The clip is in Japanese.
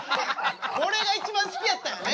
これが一番好きやったんやね。